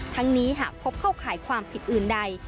ทั้งนี้หากพบเข้าข่ายความผิดอื่นใด